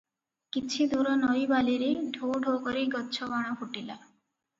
କିଛି ଦୁର ନଈବାଲିରେ ଢୋ ଢୋ କରି ଗଛ ବାଣ ଫୁଟିଲା ।